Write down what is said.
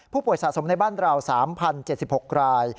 ผู้ป่วยสะสมในบ้านเรา๓๐๗๖ราย